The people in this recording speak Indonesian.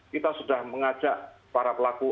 kita sudah mengajak para pelaku